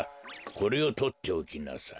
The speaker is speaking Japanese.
これをとっておきなさい。